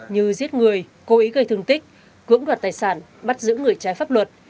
như giết người cố ý gây thương tích cưỡng đoạt tài sản bắt giữ người trái pháp luật